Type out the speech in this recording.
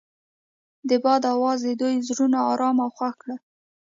د باد اواز د دوی زړونه ارامه او خوښ کړل.